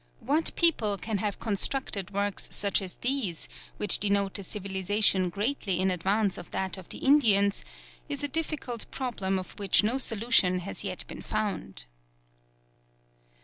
What people can have constructed works such as these, which denote a civilization greatly in advance of that of the Indians, is a difficult problem of which no solution has yet been found.